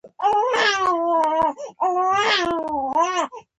• د یو زوړ دوست یاد ته کښېنه.